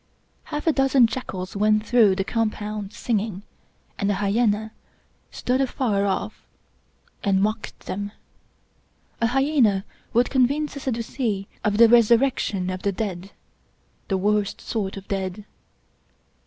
Half a dozen jackals went through the compound singing, and a hyena stood afar off and mocked them. A hyena would convince a Sadducee of the Resurrection of the Dead — 12 Rudyard Kipling the worst sort of Dead.